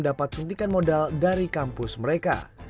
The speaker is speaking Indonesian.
dapat suntikan modal dari kampus mereka